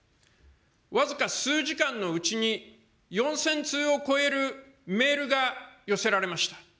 僅か数時間のうちに、４０００通を超えるメールが寄せられました。